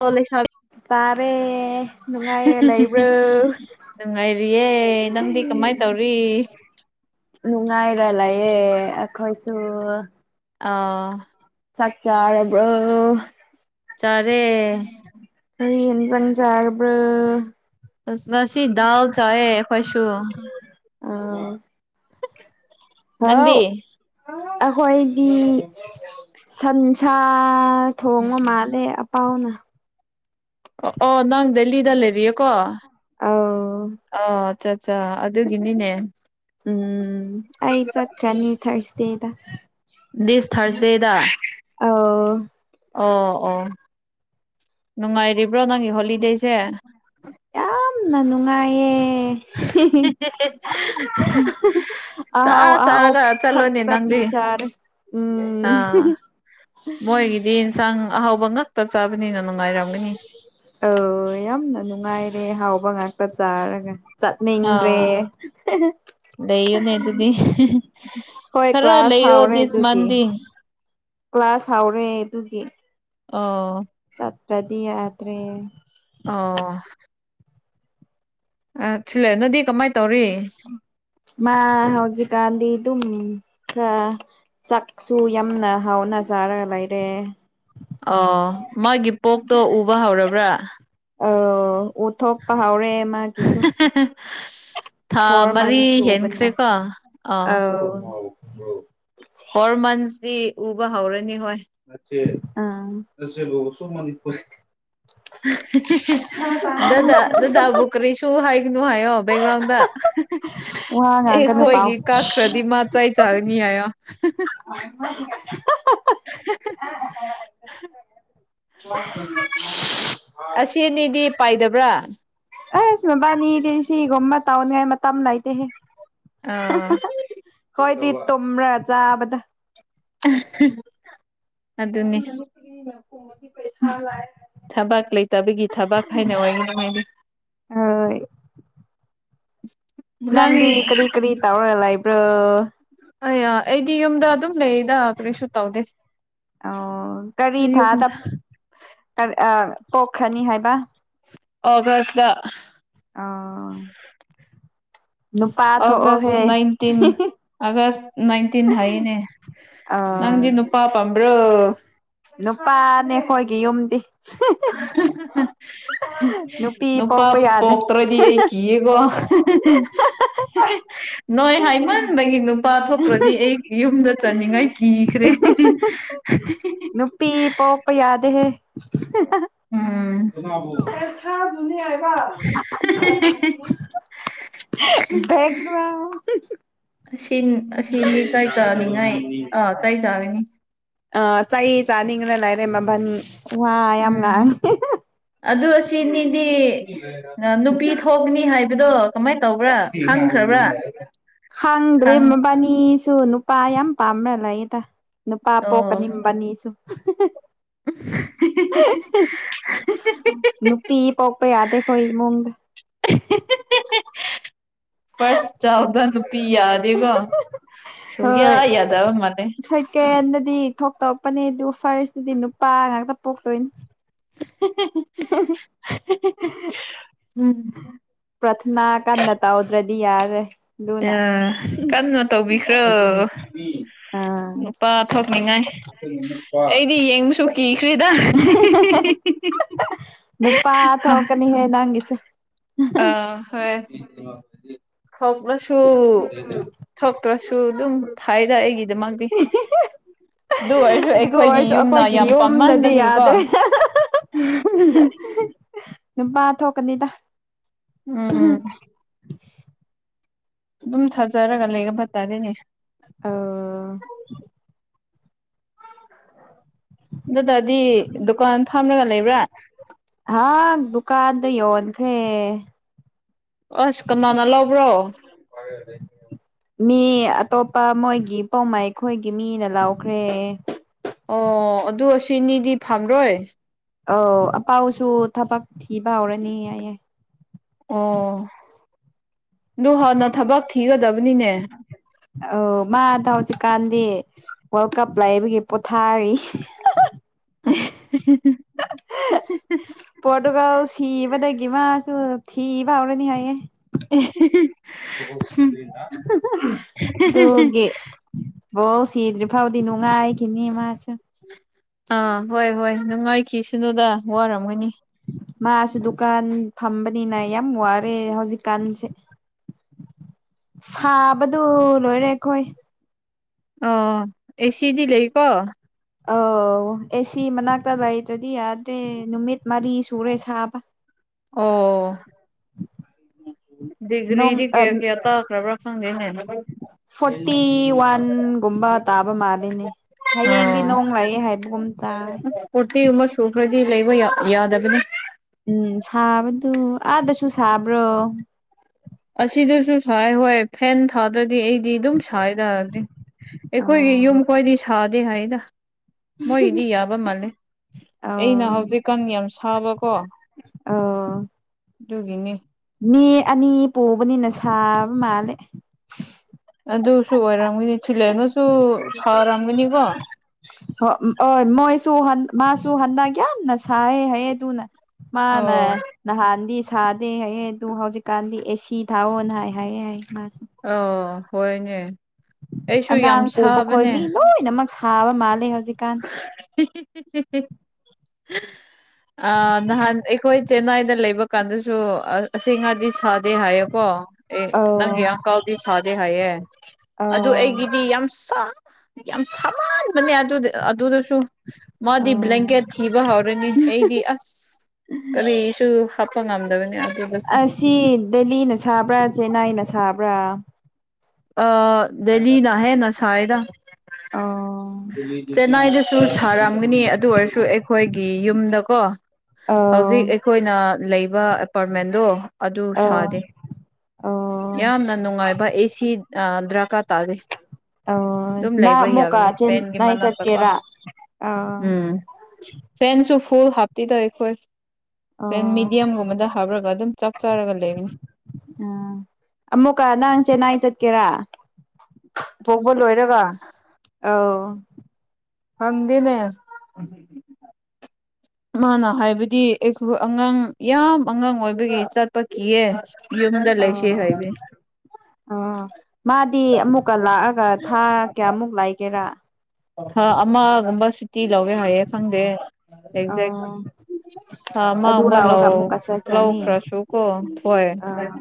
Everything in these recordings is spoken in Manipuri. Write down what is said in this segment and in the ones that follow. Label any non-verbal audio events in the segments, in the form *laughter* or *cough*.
ꯑꯣ ꯂꯩꯁꯥꯕꯤ ꯇꯥꯔꯦ ꯅꯨꯡꯉꯥꯏꯔꯦ ꯂꯩꯕ꯭ꯔꯣ ꯅꯨꯡꯉꯥꯏꯔꯤꯌꯦ ꯅꯪꯗꯤ ꯀꯃꯥꯏ ꯇꯧꯔꯤ ꯅꯨꯡꯉꯥꯏꯔ ꯂꯩꯥꯛꯌꯦ ꯑꯩꯈꯣꯏꯁꯨ ꯑꯥ ꯆꯥꯛ ꯆꯥꯔꯕ꯭ꯔꯣ ꯆꯔꯦ ꯀꯔꯤꯦꯟꯖꯪꯖꯥꯔꯕ꯭ꯔꯣ ꯁ ꯉꯁꯤ ꯗꯜ ꯆꯑ ꯄꯁꯨ ꯑꯥ ꯍ ꯅꯪꯗꯤ ꯑꯩꯈꯣꯏꯗꯤ ꯁꯟꯁꯥ ꯊꯣꯡꯕ ꯃꯥꯜꯂꯦ ꯑꯄꯥꯎꯅ ꯑꯣ ꯑꯣ ꯅꯪ ꯗꯦꯂꯤꯗ ꯂꯩꯔꯤꯌꯦꯀꯣ ꯑꯧ ꯑꯠ ꯑꯗꯨꯒꯤꯅꯤꯅꯦ ꯎꯝ ꯑꯩ ꯆꯠꯈ꯭ꯔꯅꯤ ꯊꯔꯁ ꯗꯦꯗ ꯗꯤꯁ ꯊꯥꯔꯁꯗꯦꯗ ꯑ ꯑꯣ ꯑꯣ ꯅꯨꯡꯉꯥꯏꯔꯤꯕ ꯕ꯭ꯔ ꯅꯉ ꯍꯣꯂꯤꯗꯦꯁꯦ *inaudible* ꯆꯥ ꯑꯍꯣ ꯑꯣ ꯆꯥꯔꯒ ꯆꯠꯂꯣꯅꯦ ꯈꯛꯇꯛꯇ ꯅꯪꯗꯤ ꯄꯤꯆꯔ ꯎꯝ ꯃꯣꯏꯒꯤꯗꯤꯟ ꯁꯥꯡ ꯑꯍꯥꯎꯕꯪ ꯑ ꯌꯥꯝꯅ ꯅꯨꯡꯉꯥꯏꯔꯦ ꯍꯥꯎꯕ ꯉꯥꯛꯇ ꯆꯥꯔꯒ ꯆꯠꯅꯦ ꯏꯟ꯭ꯔꯦ ꯑꯥ ꯂꯩꯌꯨꯅꯦ ꯑꯗꯨꯗꯤ ꯍꯣꯏ ꯈꯔ ꯀ꯭ꯂꯥꯁ ꯂꯩꯌꯣ ꯍꯥꯎꯔꯦ ꯗꯤꯁ ꯑꯗꯨꯒꯤ ꯃꯟꯗꯤ ꯀ꯭ꯂꯥꯁ ꯍꯧꯥꯎꯔꯦ ꯑꯗꯨꯒꯤ ꯑꯣ ꯄꯗꯤ ꯌꯥꯇꯦ ꯑꯣ ꯑ ꯁꯤꯜꯂꯦꯅꯗꯤ ꯀꯃꯥꯏꯅ ꯇꯧꯔꯤ ꯃꯥ ꯍꯧꯖꯤꯛꯀꯥꯟꯗꯤ ꯑꯗꯨꯝ ꯈꯔ ꯆꯥꯛꯁꯨ ꯌꯥꯝꯅ ꯍꯥꯎꯅ ꯆꯥꯔꯒ ꯂꯩꯔꯦ ꯑ ꯃꯥꯒꯤ ꯄꯣꯛꯇꯣ ꯎꯕ ꯍꯧꯔꯕ꯭ꯔꯥ ꯎꯊꯣꯛ ꯄꯍꯥꯎꯔꯦ ꯃꯥꯥ ꯀꯁꯨ ꯊꯥ ꯐꯣꯔ ꯃꯔꯤ ꯃꯟꯊꯕ ꯍꯦꯟꯈ꯭ꯔꯦꯀꯣ ꯑ ꯑꯥ ꯐꯣꯔ ꯃꯟꯁꯇꯗꯤ ꯎꯕ ꯍꯧꯔꯅꯤ ꯍꯣꯏ ꯑꯦ ꯑꯁꯦꯁꯨ ꯃꯅꯤꯄꯨꯔ ꯗꯗꯥ ꯗꯗꯥꯕꯨꯀꯔꯤꯁꯨꯨ ꯍꯥꯏ ꯁꯨ ꯍꯥꯏꯌꯣ ꯕꯦꯛꯒ꯭ꯔꯥꯎꯟꯗ ꯋꯥ ꯉꯥꯡꯒꯅꯨ ꯄꯥꯎ ꯑꯦꯈꯣꯏꯒꯤ ꯀꯛꯈ꯭ꯔꯗꯤ ꯃꯥ ꯆꯥꯏ ꯆꯥꯔꯅꯤ ꯍꯥꯏꯌꯣ *unintelligible* *inaudible* *unintelligible* *inaudible* ꯑꯁꯤꯅꯤꯗꯤ ꯄꯥꯏꯗꯕ꯭ꯔꯥ ꯑꯦ ꯁꯕꯥꯅꯤꯗ ꯁꯤꯒꯣꯝꯃ ꯇꯥꯎꯅꯤ ꯍꯥꯏ ꯃꯇꯝ ꯑꯃ ꯂꯥꯏꯇꯦꯍꯦ ꯑꯥ ꯇꯣꯝ꯭ꯔꯖꯥꯕꯗꯥ ꯑꯗꯨꯅꯦ ꯎꯅꯗꯤ ꯄꯩꯁꯥ ꯂꯑ ꯊꯕꯥꯛ ꯂꯩꯇꯕꯒꯤ ꯊꯕꯛ ꯍꯥꯏꯅ ꯑꯣꯏꯅꯤꯡꯉꯥꯏꯅꯤ ꯑ *unintelligible* *inaudible* ꯎ *inaudible* ꯅꯪꯗꯤ ꯀꯔꯤ ꯀꯔꯤ ꯇꯥꯔꯒ ꯂꯏꯕ꯭ꯔꯥ ꯑ ꯑꯩꯗꯤ ꯌꯨꯝꯗ ꯑꯗꯨꯝ ꯅꯗ ꯍꯥ ꯀꯔꯤꯁꯨꯨ ꯇꯧꯗꯦ ꯑꯣ ꯀꯔꯤ ꯊꯥꯗ ꯑꯗ ꯄꯣꯛꯈ꯭ꯔꯅꯤ ꯍꯥꯏꯕ ꯑꯣꯒꯥꯁ ꯂ ꯑꯣ ꯅꯨꯄꯥ ꯑꯒꯁ ꯊꯣꯛꯑꯣꯍꯦ ꯅꯥꯏꯟꯇꯤꯟ ꯑꯒꯁ ꯅꯥꯏꯟꯇꯤꯟ ꯍꯥꯏꯅꯦ ꯑ ꯅꯪꯗꯤ ꯅꯨ ꯎ ꯄ ꯄꯝꯕ꯭ꯔꯣ ꯅꯨꯄꯥꯅꯦ ꯑꯩꯈꯣꯏꯒꯤ ꯌꯨꯝꯗꯤ ꯅꯨꯄꯤ *inaudible* ꯅꯨꯄꯥ ꯄꯣꯛꯄ ꯌꯥꯗꯦ ꯄꯣꯛꯇ꯭ꯔꯗꯤ ꯑꯩ ꯀꯤꯌꯦꯀꯣ ꯅꯣꯏ ꯍ ꯏꯃꯗ ꯀꯅ ꯋꯥ ꯊꯣꯛꯇ꯭ꯔꯗꯤ ꯑꯩ ꯌꯨꯝꯗ ꯆꯅꯤꯡꯉꯥꯏ ꯀꯤꯈ꯭ꯔꯦ ꯄꯤ ꯄꯄ ꯌꯥꯗꯦ ꯎꯝ ꯅꯤ *unintelligible* ꯕꯒꯅꯔ ꯁꯤ ꯑꯁꯤꯅꯤ ꯇꯔꯥꯏ ꯆꯥꯅꯤꯡꯉꯥꯏ ꯑꯥ ꯇꯏ ꯆꯥꯒꯅꯤ ꯑ ꯆꯥꯏ ꯆꯥꯅꯤꯡ꯭ꯔ ꯂꯥꯏꯔꯦ ꯃꯕꯥꯅꯤ ꯋꯥ ꯌꯥꯝ ꯉꯥꯡꯉꯦ ꯁꯤꯅꯤꯗꯤ ꯅꯨꯄꯤ ꯊꯣꯛꯅꯤ ꯍꯥꯏꯕꯗꯣ ꯀꯃꯥꯏꯅ ꯇꯧꯕ꯭ꯔꯥ ꯈꯪꯈ꯭ꯔꯕ꯭ꯔꯥ ꯈꯥꯡꯗ꯭ꯔꯦ ꯈꯪ ꯃꯕꯥꯅꯤ ꯁꯨ ꯅꯨꯄꯥ ꯌꯥꯝ ꯄꯥꯝꯅ ꯂꯩꯗ ꯅꯨꯄꯥ ꯑꯣ ꯄꯣꯛꯀꯅꯤꯡꯕꯅꯤꯁꯨ *inaudible* ꯅꯨꯄꯤ ꯄꯣꯛꯄ ꯌꯥꯗꯈꯣꯏ ꯃꯣꯡꯗ *unintelligible* *inaudible* ꯐꯥꯔꯁ ꯆꯥꯗ ꯅꯨꯄꯤ ꯌꯥꯔꯦꯀ ꯁꯨꯌꯥ ꯌꯥꯗꯕ ꯃꯥꯅꯦ ꯇꯦꯟꯗꯗꯤ ꯊꯣꯛꯇꯔꯛꯄꯅꯦ ꯑꯗꯨ ꯐꯥꯔꯁꯇꯗꯤ ꯅꯨꯄꯥ ꯉꯥꯛꯇ ꯄꯣꯛꯇꯣꯏꯅꯤ ꯎꯝ ꯄꯔꯊꯅꯥ ꯀꯥꯟꯗ ꯇ ꯑꯣꯗ꯭ꯔꯗꯤ ꯌꯥꯔ ꯣꯅ ꯀꯟꯅ ꯇꯧꯕꯤꯈ꯭ꯔꯣ ꯑꯥ ꯅꯨꯄꯥ ꯊꯣꯛꯅꯤꯡꯉꯥꯏ ꯄꯥ ꯑꯩꯗꯤ ꯌꯦꯡꯕꯁꯨ ꯀꯤꯈ꯭ꯔꯦꯗ ꯅꯨꯄꯥ ꯊꯣꯛꯀꯅꯤꯍꯦ ꯅꯪꯒꯤꯁꯨ ꯑ ꯍꯣꯏ ꯊꯣꯛꯛꯂꯁꯨ ꯊꯣꯛꯛꯇ꯭ꯔꯁꯨ ꯑꯗꯨꯝ ꯊꯥꯏꯅ ꯑꯩꯒꯤꯗꯃꯛꯇꯗꯤ ꯑꯗꯨ ꯑꯣꯏꯔꯁꯨ ꯑꯩꯈꯣꯏꯒꯤ ꯌꯥꯝ ꯌꯨꯝꯅꯗꯤ ꯄꯥꯝꯃꯟꯕꯒꯤꯀꯣ ꯌꯥꯗꯦ ꯅꯨꯄꯥ ꯊꯣꯛꯀꯅꯤꯗ ꯎꯝ ꯑꯗꯨꯝ ꯊꯥꯖꯔꯒ ꯂꯩꯒ ꯐꯠꯇꯔꯤꯅꯦ *unintelligible* ꯑꯗꯨꯗꯗꯤ ꯗꯨꯀꯥꯟ ꯐꯝꯂꯒ ꯂꯩꯕ꯭ꯔꯥ꯫ ꯑꯥꯥ ꯗꯨꯀꯥꯟꯗ ꯌꯣꯟꯈ꯭ꯔꯦ꯫ ꯑꯁ ꯀꯅꯥꯅ ꯂꯧꯕ꯭ꯔꯣ꯫ *unintelligible* ꯃꯤ ꯑꯇꯣꯞꯄ ꯃꯣꯏꯒꯤ ꯄꯥꯎꯃꯩ ꯑꯩꯈꯣꯏꯒꯤ ꯃꯤꯅ ꯂꯥꯎꯈ꯭ꯔꯦ꯫ ꯑꯣ ꯑꯗꯨ ꯑꯁꯤꯅꯤꯗꯤ ꯐꯝꯔꯣꯏ꯫ ꯑꯧ ꯑꯄꯥꯎꯁꯨ ꯊꯕꯛ ꯊꯤꯕ ꯍꯧꯔꯅꯤ ꯍꯥꯏꯌꯦ꯫ ꯑꯣ ꯑꯗꯨ ꯍꯥꯟꯅ ꯊꯕꯛ ꯊꯤꯒꯗꯕꯅꯤꯅꯦ꯫ ꯑꯧ ꯃꯥꯗ ꯍꯧꯖꯤꯛꯀꯥꯟꯗꯤ ꯋꯥꯔꯜ ꯀꯞ ꯂꯩꯥꯛꯕꯒꯤ ꯄꯣꯊꯥꯔꯤ꯫ *unintelligible* *unintelligible* ꯄꯣꯔꯇꯨꯒꯜ ꯁꯤꯕꯗꯒꯤ ꯃꯥꯁꯨ ꯊꯤꯕ ꯍꯧꯔꯅꯤ ꯍꯥꯏꯌꯦ꯫ *unintelligible* ꯗꯨꯒꯤ꯫ ꯕꯣ ꯁꯤꯗ꯭ꯔꯤ ꯐꯥꯎꯗꯤ ꯅꯨꯡꯉꯥꯏ ꯈꯤꯅꯤ ꯃꯁꯤ ꯑꯥ ꯍꯣꯏ ꯍꯣꯏ ꯅꯨꯡꯉꯥꯏꯈꯤ ꯁꯅꯨꯗ ꯋꯥꯔꯝꯒꯅꯤ꯫ ꯃꯥꯁꯨ ꯗꯨꯀꯥꯟ ꯐꯝꯕꯅꯤꯅ ꯌꯥꯝ ꯋꯥꯔꯦ ꯍꯧꯖꯤꯛꯀꯥꯟꯁꯦ꯫ ꯁꯥꯕꯗꯨ ꯂꯣꯏꯔꯦ ꯑꯩꯈꯣꯏ꯫ ꯑꯧ ꯑꯦꯁꯤꯗꯤ ꯂꯩꯒꯀꯣ꯫ ꯑꯥꯎ ꯑꯦꯁꯤ ꯃꯅꯥꯛꯇ ꯂꯩꯇꯔꯗꯤ ꯌꯥꯗ꯭ꯔꯦ ꯅꯨꯃꯤꯠ ꯃꯔꯤ ꯁꯨꯔꯦ ꯁꯥꯕ꯫ ꯑꯣ꫰꫰ ꯅꯣꯡ ꯗꯤꯒꯔꯤꯗꯤ ꯀꯌꯥ ꯀꯌꯥ ꯇꯥ ꯈꯔꯕ ꯈꯪꯗꯦꯅꯦ꯫ ꯐꯣꯔꯇꯤ ꯋꯥꯟꯒꯨꯝꯕ ꯇꯥꯕ ꯃꯥꯜꯂꯤꯅꯦ꯫ ꯍꯌꯦꯡꯗꯤ ꯑꯣ ꯅꯣꯡ ꯂꯥꯛꯑꯦ ꯍꯥꯏꯕꯒꯨꯝ ꯇꯥꯏ ꯐꯣꯇꯔꯤ ꯒꯨꯝꯕ ꯁꯨꯈꯔ ꯗꯤ ꯂꯩꯕ ꯌꯥ ꯌꯥꯗꯕꯅꯤ꯫ ꯎꯝ ꯁꯥꯕꯗꯨ ꯑꯥꯗꯁꯨ ꯁꯥꯕ꯭ꯔꯣ꯫ ꯑꯁꯤꯗꯁꯨ ꯁꯥꯏ ꯍꯣꯏ ꯐꯦꯟ ꯊꯥꯗ꯭ꯔꯗꯤ ꯑꯩꯗꯤ ꯑꯗꯨꯝ ꯁꯌꯦꯗ ꯑꯣ ꯑꯩꯈꯣꯏꯒꯤ ꯌꯨꯝ ꯈꯣꯏꯗꯤ ꯁꯥꯗꯦ ꯍꯥꯏꯌꯦꯗ꯫ ꯃꯣꯏꯒꯤꯗꯤ ꯌꯥꯕ ꯃꯥꯜꯂꯦ꯫ ꯑꯩꯅ ꯑꯣ ꯍꯧꯖꯤꯛꯀꯥꯟ ꯌꯥꯝ ꯁꯥꯕꯀꯣ꯫ ꯑꯣ꯫ ꯗꯨꯒꯤꯅꯦ꯫ ꯃꯤ ꯑꯅꯤ ꯄꯨꯕꯅꯤꯅ ꯁꯥꯕ ꯃꯥꯜꯂꯦ꯫ ꯑꯗꯨꯁꯨ ꯑꯣꯏꯔꯝꯒꯅꯤ ꯊꯤꯜꯂꯦꯟ ꯅꯣꯏꯁꯨ ꯁꯥꯔꯝꯒꯅꯤꯀꯣ꯫ ꯇꯣꯍꯟ ꯃꯥꯁꯨ ꯍꯟꯗꯛ ꯌꯥꯝꯅ ꯁꯥ ꯍꯥꯏꯌꯦ ꯇꯨꯅ ꯃꯥꯅ ꯑꯣ ꯅꯍꯥꯟꯗꯤ ꯊꯥꯗꯦ ꯍꯥꯏꯑꯦ ꯑꯗꯨ ꯍꯧꯖꯤꯛꯀꯥꯟꯗꯤ ꯑꯦꯁꯤ ꯊꯥꯛꯑꯣꯅ ꯍꯥꯏ ꯍꯥꯏꯑꯦ ꯍꯥꯏꯌꯦ ꯃꯥ ꯑꯧ ꯍꯣꯏꯅꯦ꯫ ꯑꯩꯁꯨ ꯑꯉꯥꯡ ꯌꯥꯝ ꯄꯨꯕ ꯈꯣꯏ ꯁꯥꯕꯅꯦ ꯃꯤ ꯂꯣꯏꯅꯃꯛ ꯁꯥꯕ ꯃꯥꯜꯂꯦ ꯍꯧꯖꯤꯛ ꯑ ꯅꯍꯥꯟ ꯑꯩꯈꯣꯏ꯫ ꯆꯦꯟꯅꯥꯏꯗ ꯂꯩꯕ ꯀꯥꯟꯗꯁꯨ ꯑꯁꯦꯡ ꯉꯥꯗꯤ ꯁꯥꯗꯦ ꯍꯥꯏꯌꯦꯀꯣ꯫ ꯑꯦ ꯅꯪꯒꯤ ꯑꯧ ꯑꯪꯀꯥꯜꯗꯤ ꯁꯥꯗꯦ ꯍꯥꯏꯌꯦ ꯑꯗꯨ ꯑꯧ ꯑꯩꯒꯤꯗꯤ ꯌꯥꯝ ꯁꯥ ꯌꯥꯝ ꯁꯃꯥꯟꯕꯅꯦ ꯑꯗꯨꯗ ꯑꯗꯨꯗꯁꯨ ꯃꯥꯗꯤ ꯑꯧ ꯕ꯭ꯂꯦꯡꯀꯦꯠ ꯕ ꯍꯧꯎꯔꯅꯤ ꯑꯩꯗꯤ ꯑꯁ ꯀꯔꯤꯁꯨ ꯍꯥꯞꯄ ꯉꯝ ꯑꯁꯤ ꯗꯦꯜꯂꯤꯅ ꯁꯥꯕ꯭ꯔꯥ ꯆꯦꯟꯅꯥꯏꯅ ꯁꯥꯕ꯭ꯔꯥ꯫ ꯑ ꯗꯦꯜꯂꯤꯅ ꯍꯦꯟꯅ ꯁꯥꯌꯦꯗ꯫ ꯑꯣ ꯆꯦꯟꯅꯥꯏꯗꯁꯨ ꯁꯥꯔꯝꯒꯅꯤ ꯑꯗꯨ ꯑꯣꯏꯔꯁꯨ ꯑꯩꯈꯣꯏꯒꯤ ꯌꯨꯝꯗꯀꯣ꯫ ꯍꯧꯖꯤꯛ ꯑꯧ ꯑꯩꯈꯣꯏꯅ ꯂꯩꯕ ꯑꯦꯄꯥꯔꯠꯃꯦꯟꯗꯣ ꯑꯗꯨ ꯑꯧ ꯁꯥꯗꯦ꯫ ꯑꯧ ꯌꯥꯝꯅ ꯅꯨꯡꯉꯥꯏꯕ ꯑꯦꯁꯤ ꯗꯔꯀꯥꯔ ꯇꯥꯥꯗꯦ꯫ ꯑꯧ ꯑꯗꯨꯝ ꯅꯪ ꯂꯩꯕ ꯑꯃꯨꯛꯀ ꯌꯥꯕꯅꯦ ꯐꯦꯟ ꯆꯦꯟꯅꯥꯏ ꯃꯅꯥꯛꯇꯀꯣ ꯆꯠꯀꯦꯔꯥ ꯑꯥ ꯎꯝ ꯒꯦꯟꯁꯨ ꯨ ꯐꯨꯜ ꯍꯥꯞꯇꯤꯗ ꯑꯩꯈꯣꯏꯦꯟ ꯑꯣ ꯃꯤꯦꯗꯤꯌꯝꯒꯨꯝꯕꯗ ꯍꯥꯞꯔꯒ ꯑꯗꯨꯝ ꯆꯥꯔꯒ ꯂꯩꯕꯅꯤ ꯎꯝ ꯑꯃꯨꯀ ꯅꯪ ꯆꯦꯟꯅꯥꯏ ꯆꯠꯀꯦꯔꯥ ꯄꯣꯛꯄ ꯂꯣꯏꯔꯒ ꯑ *unintelligible* *inaudible* ꯍꯗꯤꯅꯦ ꯃꯥꯅ ꯍꯥꯏꯕꯗꯤ ꯑꯩꯈꯣꯏ ꯑꯉꯥꯡ ꯌꯥꯝ ꯑꯉꯥꯡ ꯑꯣꯏꯕꯒꯤ ꯆꯠꯄ ꯀꯤꯌꯦ ꯌꯗꯔ ꯂꯩꯦꯁꯤ ꯑꯧ ꯍꯥꯏꯕ ꯤ ꯑꯃꯨꯛꯀ ꯂꯥꯛꯑꯒ ꯊꯥ ꯀꯌꯥꯃꯨꯛ ꯂꯥꯛꯒꯦꯔꯥ ꯑꯃꯒꯨꯝꯕ ꯁꯨꯇꯤ ꯂꯧꯒꯦ ꯍꯥꯏꯌꯦꯦ ꯈꯪꯗꯦ ꯑꯦꯛꯖꯦꯛ ꯑꯣ ꯍꯥꯥ ꯃꯥ ꯑꯗꯨ ꯎꯃꯔ ꯂ ꯂꯥꯎꯔꯒ ꯑꯃꯨꯛꯀ ꯂꯥꯎ ꯆꯠꯈ꯭ꯔꯅꯤ ꯈ꯭ꯔ ꯁꯨ ꯀ ꯍꯣꯏ ꯑꯥ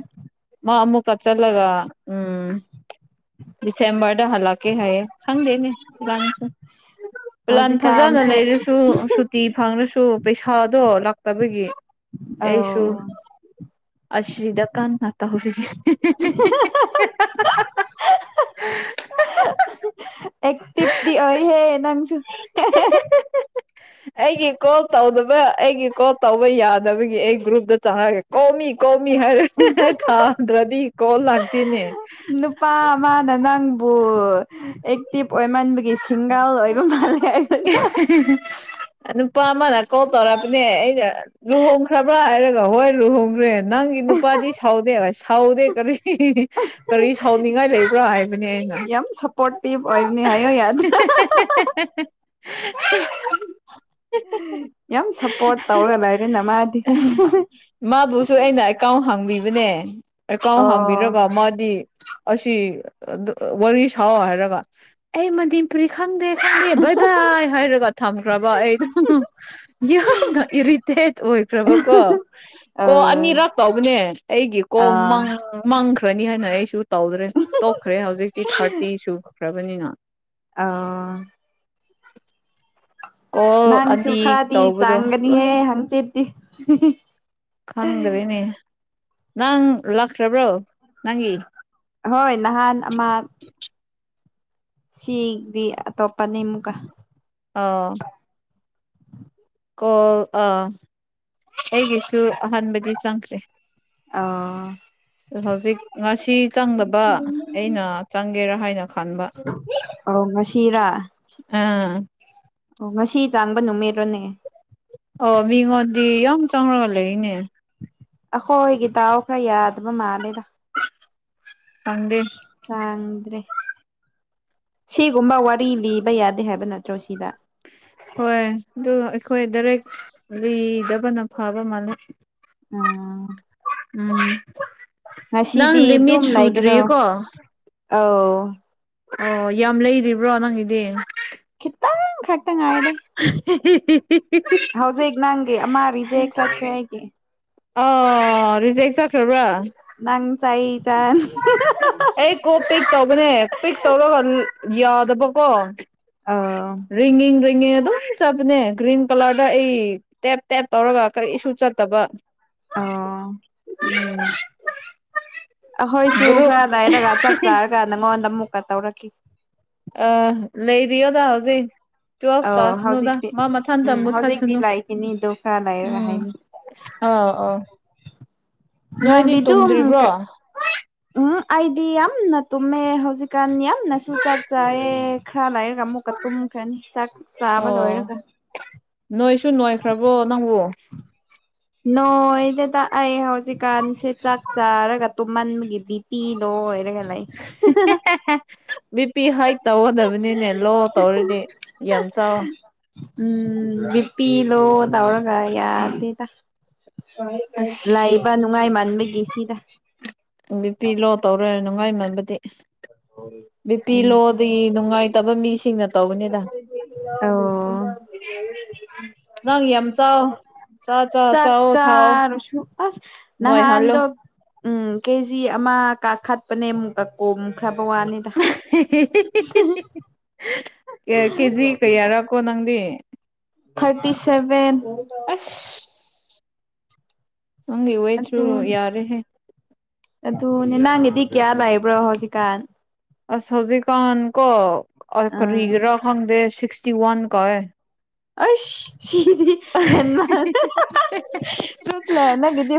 ꯃꯥ ꯑꯃꯨ ꯀ ꯆꯠꯂꯒ *unintelligible* *inaudible* ꯁꯦꯝꯕꯔꯗ ꯍꯂꯛꯀꯦ ꯍꯥꯏꯌꯦ ꯁꯪꯗꯅꯦ ꯄꯂꯥꯟ ꯊꯥꯖꯅ ꯍꯧꯖꯤꯛꯀꯥꯟꯁꯦ ꯂꯩꯔꯁꯨ ꯁꯨꯇꯤ ꯐꯪꯔꯁꯨ ꯄꯩꯁꯥꯗꯣ ꯂꯥꯛꯇꯕꯒꯤ ꯑꯣ ꯑꯁ꯭ꯔꯤꯗꯀꯥꯟꯅꯥꯠꯇ ꯍꯧꯔ *unintelligible* *inaudible* *unintelligible* *inaudible* ꯑꯦ ꯇꯤꯞꯤ ꯍꯦ ꯅꯪꯁꯨ ꯑꯩꯒꯤ ꯀꯣꯜ ꯇꯧꯗꯕ ꯑꯩꯒꯤ ꯀꯣꯜ ꯇꯧꯕ ꯌꯥꯗꯕꯒꯤ ꯑꯩ ꯒ꯭ꯔꯨꯞꯇ ꯆꯪꯉꯛꯒꯦ ꯀꯣꯃꯤ ꯀꯣꯃꯤ ꯃꯤ ꯍꯥꯏꯔ ꯊꯥ ꯑꯗ꯭ꯔꯗꯤ ꯀꯣꯜ ꯂꯒꯗꯅꯦ ꯑꯦꯛꯇꯤꯚ ꯑꯣꯏꯃꯟꯕꯒꯤ ꯁꯤꯡꯒꯥꯜ ꯑꯣꯏꯕ ꯃꯥꯜꯂꯦ ꯍꯥꯏꯗꯅ ꯅꯨꯄꯥ ꯑꯃꯅ ꯀꯣꯜ ꯇꯧꯔꯛꯄꯅꯦ ꯑꯩꯩꯅ ꯂꯨꯍꯣꯡꯈ꯭ꯔꯕ꯭ꯔꯥ ꯍꯥꯏꯔꯒ ꯍꯣꯏ ꯂꯨꯍꯣꯡꯈ꯭ꯔꯦꯅ ꯅꯪꯒꯤ ꯅꯨꯄꯥꯗꯤ ꯁꯥꯎꯗꯦ ꯍ ꯁꯥꯎꯗꯦ ꯀꯔꯤ ꯀꯔꯤ ꯁꯥꯎꯅꯤꯡꯉꯥꯏ ꯂꯩꯕ꯭ꯔꯥ ꯍꯥꯏ ꯌꯥꯝ ꯁꯞꯄꯣꯔꯇꯤꯚ ꯑꯣꯏꯅꯤ ꯍꯥꯏꯌꯣ ꯌꯥꯗ *unintelligible* *inaudible* ꯌꯥꯝ ꯁꯞꯄꯣꯔꯠ ꯇꯧꯔꯒ ꯂꯩꯔꯦꯅ ꯃꯥꯗꯤ ꯃꯥꯕꯨꯁꯨ ꯑꯩꯅ ꯑꯦꯀꯥꯎꯟ ꯍꯥꯡꯕꯤꯕ ꯍꯥꯏꯕꯅꯦ ꯑꯦꯀꯥꯎ ꯑꯣ ꯍꯥꯡꯕꯤꯔꯒ ꯃꯥꯗꯤ ꯑꯁꯤ ꯋꯥꯔꯤ ꯁꯥꯎ ꯍꯥꯏꯔꯒ ꯑꯩ ꯃꯗꯤꯄꯨꯔꯤ ꯈꯪꯗꯦ ꯚꯩ ꯚꯏ ꯍꯥꯏꯔꯒ ꯊꯝꯈ꯭ꯔꯕ ꯑꯩ ꯑꯗꯨꯝ ꯏꯔꯤꯇꯦꯠ ꯑꯣꯏ ꯑꯣꯏꯈ꯭ꯔꯕ ꯀꯣ ꯑ ꯀꯣ ꯑꯅꯤꯔꯥꯛ ꯇꯕꯅꯦ ꯑꯩꯒꯤ ꯀꯣ ꯑ ꯃꯥꯡꯈ꯭ꯔ ꯈ꯭ꯔꯅꯤ ꯍꯥꯏꯅ ꯑꯩꯁꯨ ꯇꯧꯗ꯭ꯔꯦ ꯇꯣꯛꯈ꯭ꯔꯦ ꯍꯧꯖꯤꯛꯇꯤ ꯊꯥꯔꯇꯤ ꯁꯨꯈ꯭ꯔꯕꯅꯤꯅ ꯑ *unintelligible* *inaudible* ꯀꯣꯜ ꯅꯪꯁꯨ ꯑꯅꯤ ꯈꯔꯗꯤ ꯇꯧꯕꯗꯣ ꯂꯣꯏ ꯆꯥꯡꯒꯅꯤꯍꯦ ꯍꯪꯆꯤꯠꯇ ꯈꯪꯗ꯭ꯔꯦꯅꯦ ꯅꯪ ꯂꯥꯛꯇ꯭ꯔꯕ꯭ꯔꯣ ꯅꯪꯒꯤ ꯍꯣꯏ ꯅꯍꯥꯟ ꯑꯃ ꯁꯤꯗꯤ ꯑꯇꯣꯞꯄꯅꯤ ꯑꯃꯨꯛꯀ ꯑꯥ ꯀꯣꯜ ꯑꯥ ꯑꯩꯒꯤꯁꯨ ꯑꯍꯥꯟꯕꯗꯤ ꯆꯪꯈ꯭ꯔꯦ ꯑ *unintelligible* *inaudible* ꯍꯧꯖꯤꯛ ꯉꯁꯤ ꯆꯪꯗꯕ ꯑꯩꯅ ꯆꯪꯒꯦꯔꯥ ꯍꯥꯏꯅ ꯈꯟꯕ ꯑ ꯉꯁꯤ ꯑꯥ ꯑꯣ ꯉꯁꯤ ꯆꯥꯡꯕ ꯅꯨꯃꯤꯠꯔꯣꯅꯦ ꯑꯣ ꯃꯤꯉꯣꯟꯗꯤ ꯌꯥꯝ ꯆꯪꯉꯒ ꯂꯩꯔꯤꯅꯦ ꯑꯩꯈꯣꯏꯒꯤ ꯇꯗꯥꯑꯣ ꯈꯔ ꯌꯥꯗꯕ ꯃꯥꯂꯦꯗ ꯀꯪꯗꯤ ꯆꯥꯡꯗ꯭ꯔꯦ ꯁꯤꯒꯨꯝꯕ ꯋꯥꯔꯤ ꯂꯤꯕ ꯌꯥꯗꯦ ꯍꯥꯏꯕ ꯅꯠꯇ꯭ꯔꯣ ꯁꯤꯗ ꯍꯣꯏ ꯑꯗꯨ ꯑꯩꯈꯣꯏ ꯗꯥꯏꯔꯦꯛ ꯂꯤꯗꯕꯅ ꯐꯕ ꯃꯥꯜꯂꯦ ꯎꯝ ꯎꯝ ꯅꯪ ꯉꯁꯤꯗꯤ ꯂꯤꯃꯤꯠ ꯁꯨꯗ꯭ꯔꯤꯌꯦꯀꯣ ꯑꯥꯎ ꯑꯣ ꯌꯥꯝ ꯂꯩꯔꯤꯕ꯭ꯔꯣ ꯅꯪꯒꯤꯗꯤ ꯇ ꯈꯛꯇ ꯉꯥꯏꯔ *unintelligible* ꯍꯧꯖꯤꯒ ꯅꯪꯦ ꯑꯃꯔꯤꯖꯦ ꯁꯥ ꯈ ꯍꯥꯏꯦ ꯑ ꯔꯤꯖꯦꯛ ꯆꯈ꯭ꯔꯕ꯭ꯔꯥ ꯅꯪ ꯆ ꯆ ꯄꯦꯛ ꯇꯧꯕꯅꯦ ꯄꯦꯛ ꯇꯧꯔꯒ ꯌꯥꯗꯕꯀꯣ ꯑ ꯉ ꯑꯗꯨꯝ ꯆꯠꯄꯅꯦ ꯒ꯭ꯔꯤꯟ ꯀꯂꯔꯗ ꯑꯩ ꯇꯦꯞ ꯇꯦꯞ ꯇꯧꯔꯒ ꯀꯔꯤꯁꯨ ꯆꯠꯇꯕ ꯑꯣ ꯎꯝ ꯁꯨ ꯒ꯭ꯔꯨꯞ ꯈꯔ ꯂꯩꯔꯒ ꯆꯥꯛ ꯆꯥꯔꯒ ꯅꯪꯉꯣꯟꯗ ꯑꯃꯨꯛꯀ ꯇꯧꯔꯛꯈꯤ ꯑ ꯂꯩꯔꯤꯣꯗ ꯍꯧꯖꯦ ꯇꯨꯐ ꯇ ꯑꯧ ꯁꯅꯨꯗ ꯍꯧꯖꯤꯛꯇꯤ ꯃꯥ ꯃꯊꯪ ꯇ ꯎꯝ ꯃꯊ ꯍꯧꯖꯤꯛꯇꯤ ꯁꯨꯅꯨ ꯂꯥꯛꯈꯤꯅꯤꯗꯣ ꯈꯔ ꯂꯩꯔꯒ ꯎꯝ ꯍꯥꯏꯅꯤ ꯑꯥ ꯑꯥ ꯅꯣꯏꯗꯤ ꯅꯪꯗꯤ ꯑꯗꯨꯝ ꯇꯨꯝꯗ꯭ꯔꯤꯕ꯭ꯔꯣ ꯎꯝ ꯑꯩꯗꯤ ꯌꯥꯝꯅ ꯇꯨꯝꯃꯦ ꯍꯧꯖꯤꯛꯀꯥꯟ ꯌꯥꯝꯅꯁꯨ ꯆꯥꯛ ꯆꯥꯌꯦꯦ ꯈꯔ ꯂꯥꯛ ꯑꯃꯨꯛꯀ ꯇꯨꯝꯈ꯭ꯔꯅꯤ ꯆꯥꯛ ꯆꯥꯕ ꯂꯣꯏꯔꯒ ꯁꯨ ꯅꯣꯏꯈ꯭ꯔꯕꯣ ꯅꯪꯕꯨ ꯅꯣꯏ ꯗꯗꯥ ꯑꯩ ꯍꯧꯖꯤꯛꯀꯥꯟꯁꯦ ꯆꯥꯛ ꯆꯥꯔꯒ ꯇꯨꯝꯃꯟꯕꯒꯤ ꯕꯤ ꯄꯤ ꯂꯣꯏ ꯂꯩ ꯕꯤ ꯄꯤ ꯍꯥꯏꯠ ꯇꯧꯒꯗꯕꯅꯤꯅꯦ ꯂꯣ ꯇꯧꯔꯗꯤ ꯌꯥꯝ ꯆꯥꯎꯋ ꯎꯝ ꯕꯤꯄꯤ ꯂꯣ ꯇꯧꯔꯒ ꯌꯥꯗꯦꯗ ꯑꯁ ꯂꯩꯥꯛꯕ ꯅꯨꯡꯉꯥꯏ ꯃꯥꯟꯕꯒꯤ ꯁꯤꯗ ꯕꯤꯄꯤ ꯂꯣ ꯇꯧꯔ ꯅꯨꯡꯉꯥꯏꯃꯟꯕꯗꯤ ꯕꯤꯄꯤ ꯎꯝ ꯂꯣꯗꯤ ꯅꯨꯡꯉꯥꯏ ꯇꯕ ꯃꯤꯁꯤꯡꯅ ꯇꯧꯕꯅꯤꯗ ꯑꯣ ꯅꯪ ꯌꯥꯝ ꯆꯥꯎ ꯆꯥ ꯆꯥ ꯆꯥꯛ ꯆꯥꯎꯑꯣ ꯊꯥꯎꯑꯣ ꯆꯔ ꯁ ꯑꯁ ꯅꯣꯏꯍꯜꯂꯣ ꯅꯍꯥꯟꯗ ꯎꯝ ꯀꯦꯖꯤ ꯑꯃ ꯀꯥꯈꯠꯄꯅꯦ ꯑꯃꯨꯛ ꯀꯛꯀꯣꯝꯨꯛ *unintelligible* ꯀꯦꯖꯤ ꯀꯩꯌꯥꯔ ꯀꯣ ꯅꯪꯗꯤ ꯊꯥꯔꯇꯤ ꯁꯚꯦꯟ ꯑꯁ ꯍꯪ ꯑꯣꯏꯣꯏ ꯆ ꯌꯥꯔꯦ ꯑꯗꯨ ꯅꯅꯥꯪꯒꯤꯗꯤ ꯀꯌꯥ ꯂꯥꯛꯏꯕ꯭ꯔꯣ ꯍꯧꯖꯤꯛꯀꯥꯟ ꯑꯁ ꯍꯧꯖꯤꯀꯥꯟ ꯀꯣꯈꯔꯤ ꯑꯥ ꯔꯀꯪ ꯗꯦ ꯁꯤꯁꯇꯤ ꯋꯥꯟ ꯑꯗꯤꯃ ꯆꯂꯅꯒꯗꯤ